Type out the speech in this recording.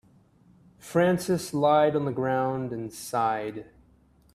Francis lied on the ground and sighed.